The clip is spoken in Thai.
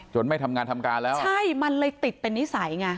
ไม่ทำงานทำการแล้วใช่มันเลยติดเป็นนิสัยไง